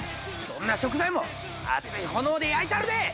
どんな食材も熱い炎で焼いたるで！